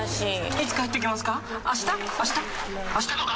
いつ帰ってきますか？